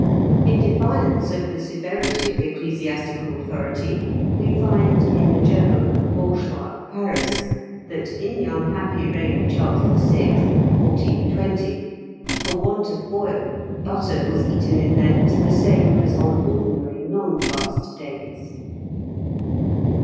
In defiance of the severity of ecclesiastical authority, we find, in the "Journal of a Bourgeois of Paris," that in the unhappy reign of Charles VI. (1420), "for want of oil, butter was eaten in Lent the same as on ordinary non fast days."